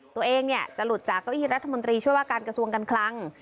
ตัวเองจะหลุดจากเก้าอี้รัฐมนตรีช่วยว่าการกระทรวงการคลัง